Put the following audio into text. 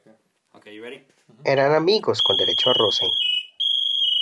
Eran amigos con derecho a roce